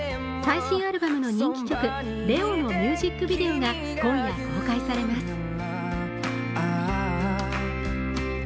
最新アルバムの人気曲「レオ」のミュージックビデオが今夜、公開されます。